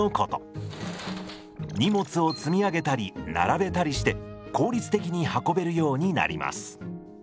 荷物を積み上げたり並べたりして効率的に運べるようになります。